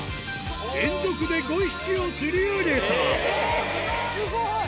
連続で５匹を釣り上げたスゴい！